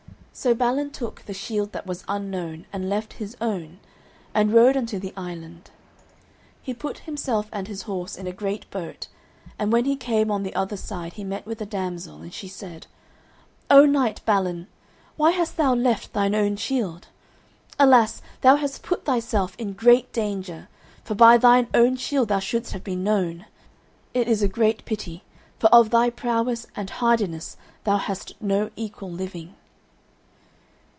So Balin took the shield that was unknown, and left his own, and rode unto the island. He put himself and his horse in a great boat, and when he came on the other side he met with a damsel, and she said, "O Knight Balin, why hast thou left thine own shield? Alas! thou hast put thyself in great danger, for by thine own shield thou shouldst have been known. It is a great pity, for of thy prowess and hardiness thou hast no equal living."